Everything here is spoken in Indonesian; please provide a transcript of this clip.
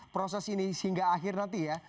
proses ini hingga akhir nanti ya